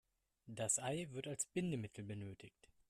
Das Ei wird als Bindemittel benötigt.